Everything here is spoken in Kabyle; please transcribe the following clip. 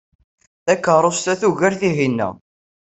Takeṛṛust-a tugar tihin.